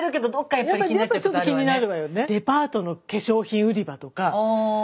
やっぱりちょっと気になるわよね。